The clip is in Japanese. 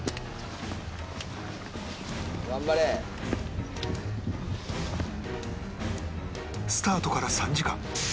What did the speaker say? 「頑張れ！」スタートから３時間